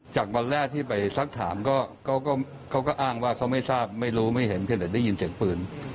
วันแรกที่ไปสักถามก็เขาก็อ้างว่าเขาไม่ทราบไม่รู้ไม่เห็นเพียงแต่ได้ยินเสียงปืน